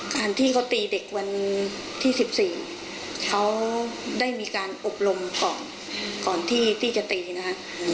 การที่เขาตีเด็กวันที่๑๔เขาได้มีการอบรมก่อนก่อนที่จะตีนะคะ